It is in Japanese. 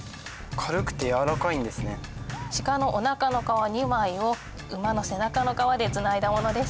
鹿のおなかの革２枚を馬の背中の革でつないだものです。